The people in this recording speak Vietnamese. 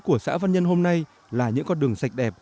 của xã văn nhân hôm nay là những con đường sạch đẹp